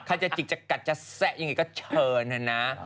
ใครจะจิกจะกัดจะแซะอย่างนี้ก็เชิญนะ